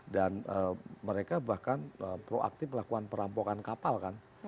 dan mereka bahkan proaktif melakukan perampokan kapal kan